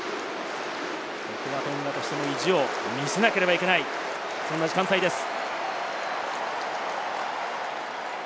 ここはトンガとしての意地を見せなければいけない、そんな時間帯です。